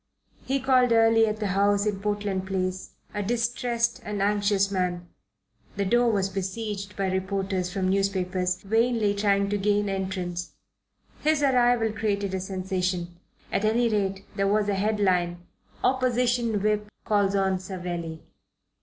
He called early at the house in Portland Place, a distressed and anxious man. The door was besieged by reporters from newspapers, vainly trying to gain, entrance. His arrival created a sensation. At any rate there was a headline "Opposition Whip calls on Savelli."